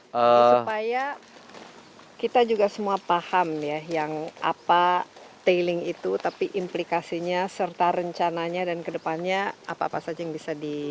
supaya kita juga semua paham ya yang apa tailing itu tapi implikasinya serta rencananya dan kedepannya apa apa saja yang bisa di